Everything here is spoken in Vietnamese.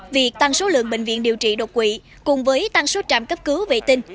việc tăng số lượng bệnh viện điều trị đột quỵ cùng với tăng số trạm cấp cứu vệ tinh